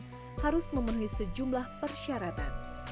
mereka harus memenuhi sejumlah persyaratan